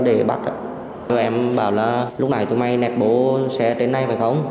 em bảo là lúc nãy tụi mày nẹt bố xe đến đây phải không